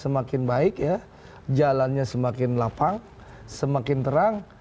semakin baik ya jalannya semakin lapang semakin terang